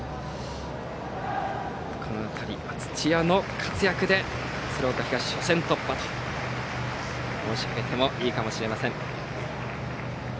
その辺り、土屋の活躍で鶴岡東、初戦突破と申し上げてもいいかもしれません。